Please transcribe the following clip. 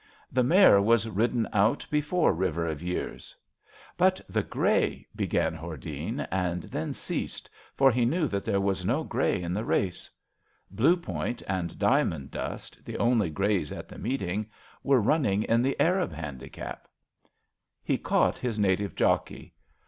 The mare was rid den out before River of Years. '^ But the grey, '' began Hordene, and then ceased, for he knew that there was no grey in the race. Blue Point and ^Diamond Dust, the only greys at the meeting, were running in the Arab Handicap^ He caught his native jockey.